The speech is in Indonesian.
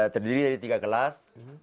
terdiri dari tiga kelas